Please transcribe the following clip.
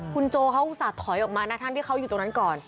คุณโจเขาอุตส่าห์ถอยออกมานะทั้งที่เขาอยู่ตรงนั้นก่อน